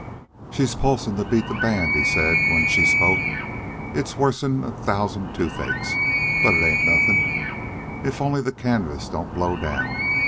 "She's pulsin' to beat the band," he said, when she spoke. "It's worsen a thousand toothaches. But it ain't nothin'... if only the canvas don't blow down.